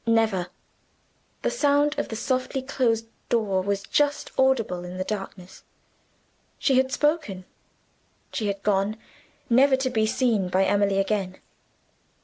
"Never!" The sound of the softly closed door was just audible in the darkness. She had spoken she had gone never to be seen by Emily again.